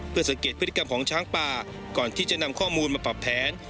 เพื่อสังเกตพฤติกรรมของช้างป่าก่อนที่จะนำข้อมูลมาปรับแผน